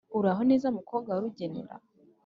uraho neza mukobwa wa rugenera?"